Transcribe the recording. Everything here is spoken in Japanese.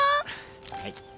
はい。